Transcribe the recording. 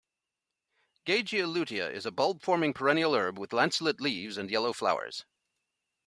"Gagea lutea" is a bulb-forming perennial herb with lanceolate leaves and yellow flowers.